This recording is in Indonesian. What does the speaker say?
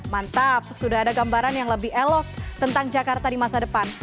mantap sudah ada gambaran yang lebih elok tentang jakarta di masa depan